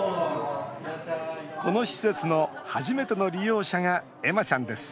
この施設の初めての利用者が恵麻ちゃんです